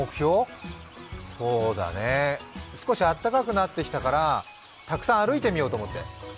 そうだね少し暖かくなってきたから、たくさん歩いてみようと思って。